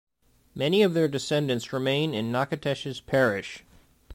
Many of their descendants remain in Natchitoches Parish.